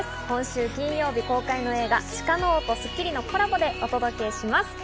今週金曜日公開の映画『鹿の王』と『スッキリ』のコラボでお届けします。